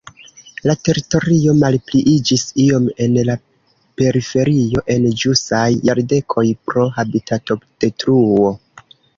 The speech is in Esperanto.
La teritorio malpliiĝis iom en la periferio en ĵusaj jardekoj pro habitatodetruo.